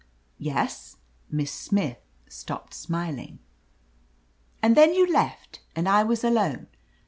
'* '*Yes," Miss Smith stopped smiling. "And then you left, and I was alone.